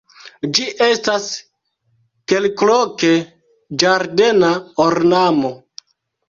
Ĝi estas kelkloke ĝardena ornamo.